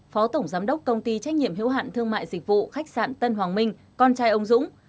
phó tổng giám đốc công ty trách nhiệm hữu hạn thương mại dịch vụ khách sạn tân hoàng minh con trai ông dũng